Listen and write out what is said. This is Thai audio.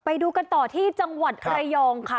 ไปดูกันต่อที่จังหวัดระยองค่ะ